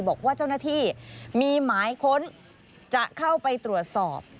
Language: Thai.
บอกว่าเจ้าหน้าที่มีหมายค้นจะเข้าไปตรวจสอบ